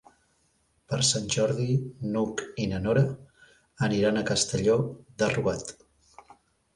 Per Sant Jordi n'Hug i na Nora aniran a Castelló de Rugat.